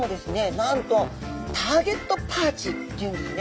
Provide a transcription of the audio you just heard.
なんとターゲットパーチっていうんですね。